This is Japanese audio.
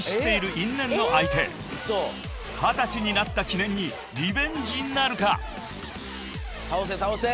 ［二十歳になった記念にリベンジなるか］